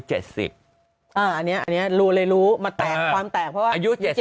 อ่าอันเนี่ยอันเนี่ยรู้เลยรู้มาแตกความแตกเพราะว่าอายุ๗๐